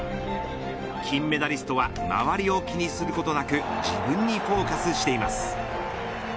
金メダリストは周りを気にすることなく自分にフォーカスしています。